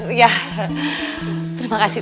terima kasih terima kasih